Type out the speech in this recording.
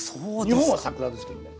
日本は桜ですけどね。